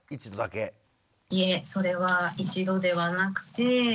いえそれは１度ではなくて。